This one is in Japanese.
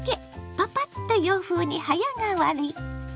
パパッと洋風に早変わり。